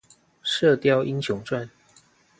射鵰英雄傳